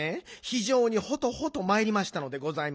ひじょうにほとほとまいりましたのでございますよ。